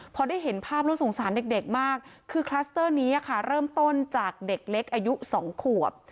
พอได้เห็นภาพแล้วสงสารเด็กมากคือคลัสเตอร์นี้ค่ะเริ่มต้นจากเด็กเล็กอายุ๒ขวบ